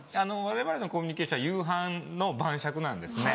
われわれのコミュニケーションは夕飯の晩酌なんですね。